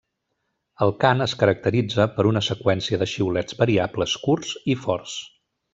El cant es caracteritza per una seqüència de xiulets variables curts i forts.